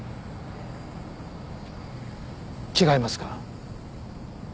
違いますか？